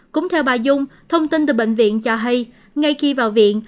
cũng theo bà dung thông tin từ bệnh viện cho hay ngay khi vào viện